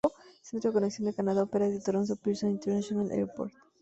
El centro de conexión de Canadá opera desde Toronto Pearson International Airport.